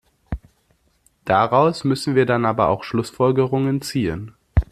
Daraus müssen wir dann aber auch Schlussfolgerungen ziehen.